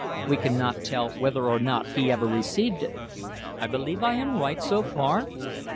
We cannot tell whether or not he ever received it. I believe that I am right so far?"